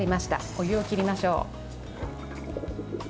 お湯を切りましょう。